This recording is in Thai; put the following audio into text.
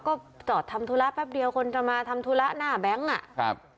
ก็จอดทำธุระแป๊บเดียวคนจะมาทำธุระหน้าแบงค์อ่ะครับ